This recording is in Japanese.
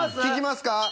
聞きますか？